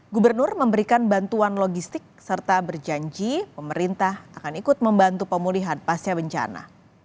gubernur memberikan bantuan logistik serta berjanji pemerintah akan ikut membantu pemulihan pasca bencana